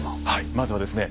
まずはですね